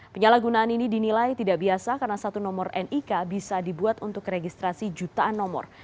penyalahgunaan ini dinilai tidak biasa karena satu nomor nik bisa dibuat untuk registrasi jutaan nomor